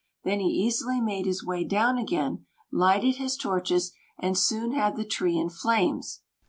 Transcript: Then he easily made his way down again, lighted his torches, and soon had the tree in flames.